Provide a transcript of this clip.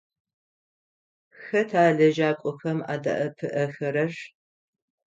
Хэта лэжьакӏохэм адэӏэпыӏэхэрэр?